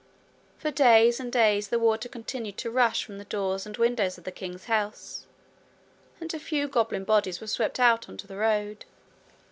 For days and days the water continued to rush from the doors and windows of the king's house, and a few goblin bodies were swept out into the road.